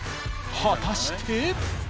果たして！？